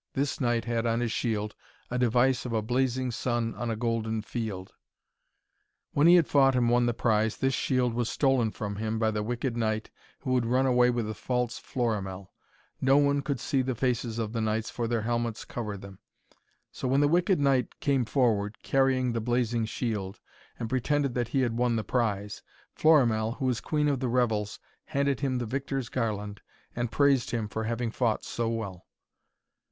This knight had on his shield a device of a blazing sun on a golden field. When he had fought and won the prize, this shield was stolen from him by the wicked knight who had run away with the false Florimell. No one could see the faces of the knights, for their helmets covered them. So when the wicked knight came forward, carrying the blazing shield, and pretended that he had won the prize, Florimell, who was queen of the revels, handed him the victor's garland, and praised him for having fought so well.